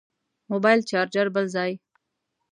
موبایل چارچر بل ځای.